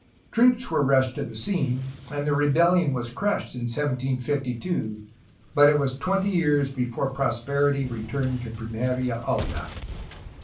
Troops were rushed to the scene, and the rebellion was crushed in 1752, but it was twenty years before prosperity returned to Pimeria Alta.